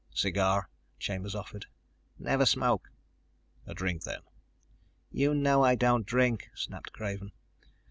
"Cigar?" Chambers offered. "Never smoke." "A drink, then?" "You know I don't drink," snapped Craven.